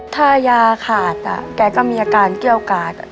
ถ้ายาขาดแกก็มีอาการเกี้ยวกาด